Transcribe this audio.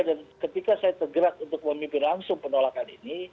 dan ketika saya tergerak untuk memimpin langsung penolakan ini